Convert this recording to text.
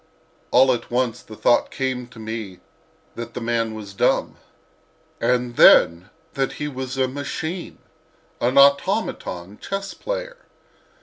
All at once the thought came to me that the man was dumb. And then that he was a machine—an automaton chess player!